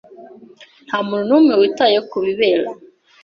Ntamuntu numwe witaye kubibera .